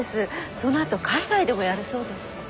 そのあと海外でもやるそうです。